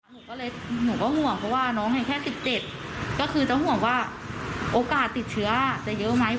หนูก็ห่วงเพราะว่าน้องให้แค่๑๗ก็จะห่วงว่าโอกาสติดเชื้อจะเยอะไหม